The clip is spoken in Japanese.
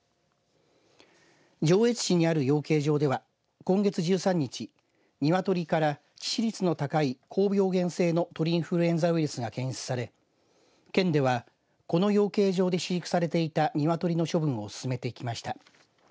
上越市にある養鶏場では今月１３日鶏から致死率の高い高病原性の鳥インフルエンザウイルスが検出され、県ではこの養鶏場で飼育されていた鶏の処分を進めてきました。